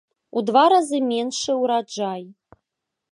У два разы меншы ўраджай.